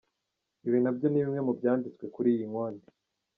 Ibi nabyo ni bimwe mu byanditswe kuri iyi konti.